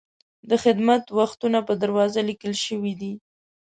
د خدمت وختونه په دروازه لیکل شوي دي.